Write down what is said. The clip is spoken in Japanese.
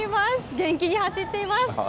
元気に走っています。